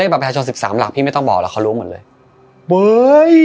บัตรประชาชนสิบสามหลักพี่ไม่ต้องบอกแล้วเขารู้หมดเลยปุ้ย